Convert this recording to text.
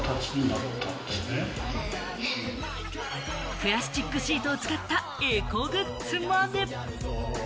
プラスチックシートを使ったエコグッズまで。